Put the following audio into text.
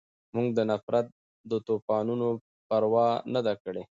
مونږ د نفرت د طوپانونو پروا نه ده کړې